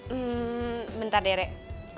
hmm bentar rek